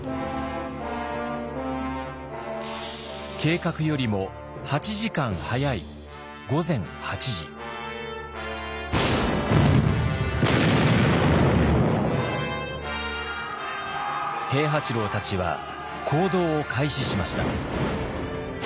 計画よりも８時間早い平八郎たちは行動を開始しました。